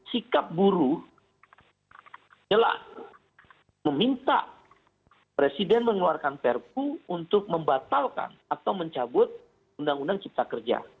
sikap buruh adalah meminta presiden mengeluarkan perku untuk membatalkan atau mencabut undang undang omnibus hocipta kerja